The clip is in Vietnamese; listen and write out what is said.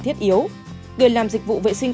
thiết yếu người làm dịch vụ vệ sinh